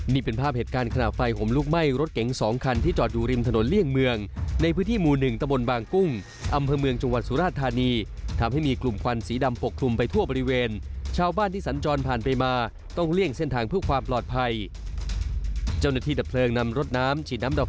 นี่เป็นภาพเหตุการณ์ขณะไฟห่มลุกไหม้รถเก๋งสองคันที่จอดอยู่ริมถนนเลี่ยงเมืองในพื้นที่หมู่หนึ่งตะบนบางกุ้งอำเภอเมืองจังหวัดสุราชธานีทำให้มีกลุ่มควันสีดำปกคลุมไปทั่วบริเวณชาวบ้านที่สัญจรผ่านไปมาต้องเลี่ยงเส้นทางเพื่อความปลอดภัยเจ้าหน้าที่ดับเพลิงนำรถน้ำฉีดน้ำดับ